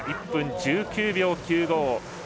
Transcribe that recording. １分１９秒９５。